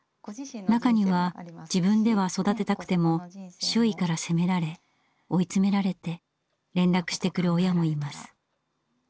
中には自分では育てたくても周囲から責められ追い詰められて連絡してくる親もいます。